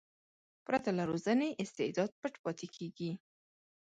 پرته له روزنې استعداد پټ پاتې کېږي.